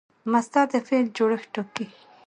مصدر د فعل جوړښت ټاکي.